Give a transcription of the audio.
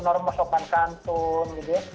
norma sopan santun